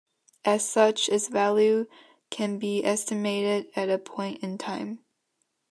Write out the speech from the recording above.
As such, its value can be estimated at a point in time.